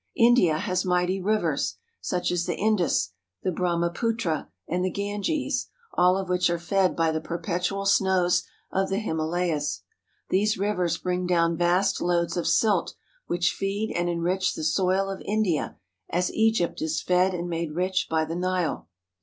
India has mighty rivers, such as the Indus, the Brahmaputra, and the Ganges, all of which are fed by the perpetual snows of the Himalayas. These rivers bring down vast loads of silt which feed and enrich the soil of India as Egypt is fed and made rich by the Nile.